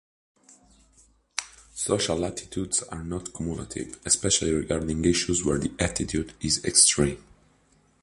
Social attitudes are not cumulative, especially regarding issues where the attitude is extreme.